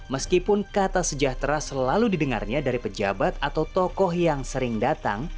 meskipun kata sejahtera selalu didengarnya dari pejabat atau tokoh yang sering datang